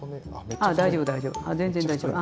あ大丈夫大丈夫。